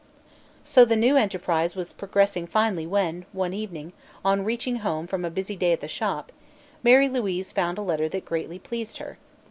So the new enterprise was progressing finely when, one evening, on reaching home from a busy day at the shop, Mary Louise found a letter that greatly pleased her.